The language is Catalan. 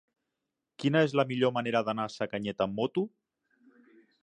Quina és la millor manera d'anar a Sacanyet amb moto?